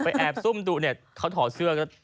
แอบซุ่มดูเนี่ยเขาถอดเสื้อก็